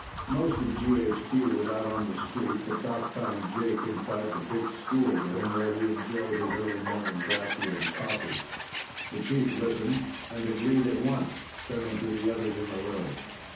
Most of GHQ was out on the street, but Doc found Jake inside the big schoolroom where he enjoyed his early morning bracky and coffee. The chief listened and agreed at once, turning to the others in the room.